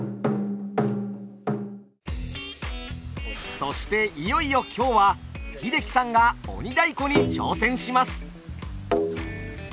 そしていよいよ今日は英樹さんが鬼太鼓に挑戦します。